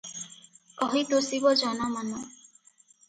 କହି ତୋଷିବ ଜନମନ ।